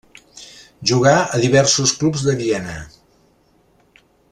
Jugà a diversos clubs de Viena.